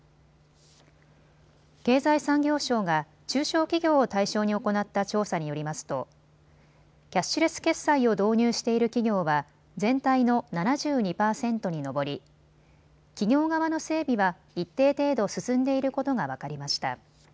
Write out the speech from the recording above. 経済産業省が中小企業を対象に行った調査によりますとキャッシュレス決済を導入している企業は全体の７２％に上り企業側の整備は一定程度進んでいることが分かりました。